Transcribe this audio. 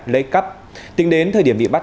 lấy cắt tính đến thời điểm bị bắt